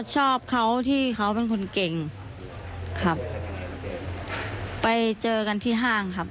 ชอบเขาที่เขาเป็นคนเก่งครับไปเจอกันที่ห้างครับ